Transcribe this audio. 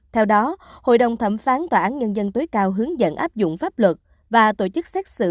theo đó hội đồng thẩm phán tòa án nhân dân tối cao hướng dẫn áp dụng pháp luật và tổ chức xét xử